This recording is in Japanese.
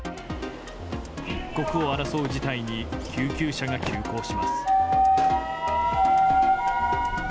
一刻を争う事態に救急車が急行します。